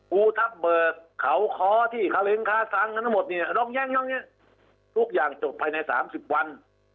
ครูทัพเบอร์เขาค้อที่คลิ้งคาซังทั้งหมดเนี่ยล้องแย่งล้องเนี่ยทุกอย่างจบภายในสามสิบวัน